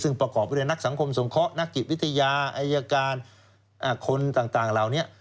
ซึ่งประกอบไปด้วยนักสังคมสงเคราะห์นักจิตวิทยาอายการคนต่างเหล่านี้